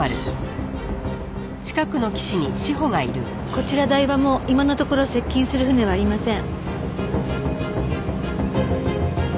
こちら台場も今のところ接近する船はありません。